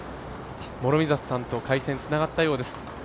諸見里さんと回線つながったようです。